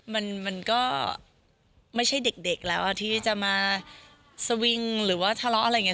มันก็ไม่ใช่เด็กแล้วที่จะมาสวิงหรือว่าทะเลาะอะไรอย่างนี้